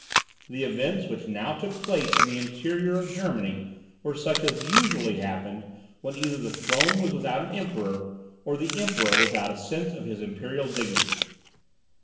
The events which now took place in the interior of Germany were such as usually happened when either the throne was without an emperor, or the Emperor without a sense of his imperial dignity.